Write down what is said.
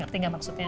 ngerti gak maksudnya